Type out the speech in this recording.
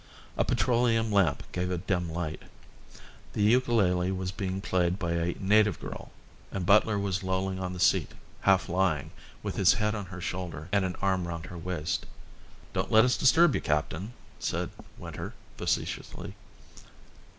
A petroleum lamp gave a dim light. The ukalele was being played by a native girl and Butler was lolling on the seat, half lying, with his head on her shoulder and an arm round her waist. "Don't let us disturb you, Captain," said Winter, facetiously.